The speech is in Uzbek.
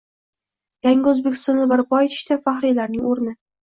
Yangi O‘zbekistonni barpo etishda faxriylarning o‘rning